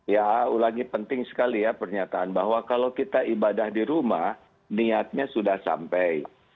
ya ulangi penting sekali ya pernyataan bahwa kalau kita ibadah di rumah niatnya sudah sampai